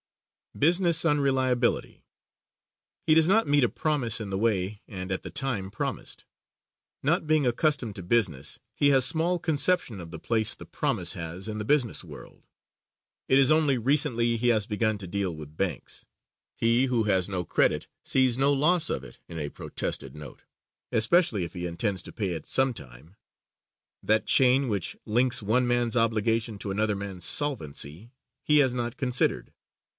Business Unreliability. He does not meet a promise in the way and at the time promised. Not being accustomed to business, he has small conception of the place the promise has in the business world. It is only recently he has begun to deal with banks. He, who has no credit, sees[D] no loss of it in a protested note, especially if he intends to pay it some time. That chain which links one man's obligation to another man's solvency he has not considered.